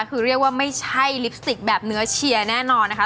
คือเรียกว่าไม่ใช่ลิปสติกแบบเนื้อเชียร์แน่นอนนะคะ